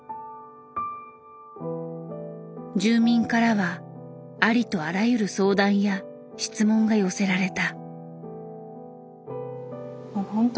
住民からはありとあらゆる相談や質問が寄せられた。